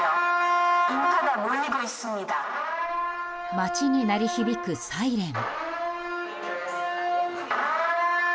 街に鳴り響くサイレン。